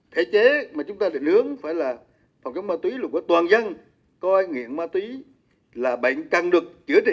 thế chế mà chúng ta định hướng phải là phòng chống ma túy luôn có toàn dân coi nghiện ma túy là bệnh càng được chữa trị